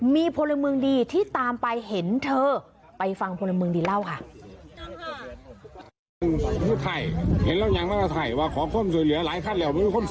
มีพลเมืองดีที่ตามไปเห็นเธอไปฟังพลเมืองดีเล่าค่ะ